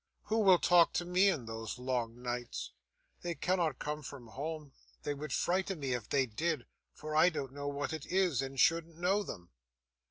'Who will talk to me in those long nights! They cannot come from home; they would frighten me, if they did, for I don't know what it is, and shouldn't know them.